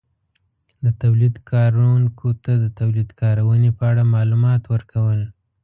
-د تولید کارونکو ته د تولید کارونې په اړه مالومات ورکول